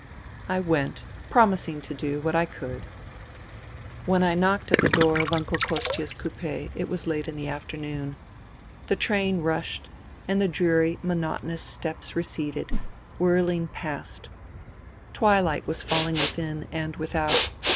I went, promising to do what I could. When I knocked at the door of Uncle Kostia's coup6 it was late in the afternoon. The train rushed, and the dreary monotonous steppes receded, whirling past. Twilight was falling within and without.